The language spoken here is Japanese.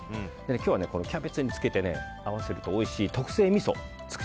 今日はキャベツにつけて食べるとおいしい特製みそです。